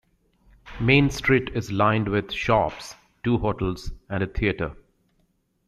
Main Street is lined with shops, two hotels and a theatre.